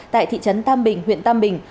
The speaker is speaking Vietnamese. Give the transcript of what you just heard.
tại thị trấn tam bình huyện tam bình